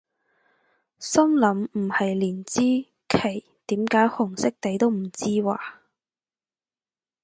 心諗唔係連支旗點解紅色底都唔知咓？